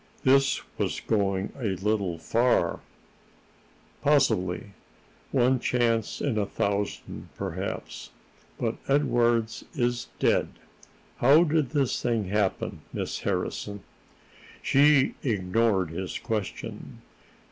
This was going a little far. "Possibly. One chance in a thousand, perhaps. But Edwardes is dead. How did this thing happen, Miss Harrison?" She ignored his question.